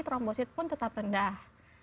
trombosit pun tetap rendah